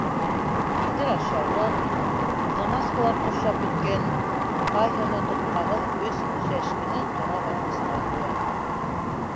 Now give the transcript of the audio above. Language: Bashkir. Киндер ашъяулыҡ, замаскалар ҡоршап бөткән, ҡайһыһы тотҡаһыҙ өс шәшкене ҡара батмусҡа ҡуя.